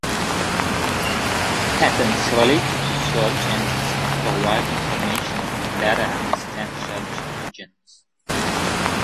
Patents related to search engines can provide information to better understand search engines.